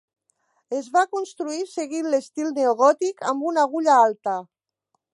Es va construir seguint l'estil neogòtic amb una agulla alta.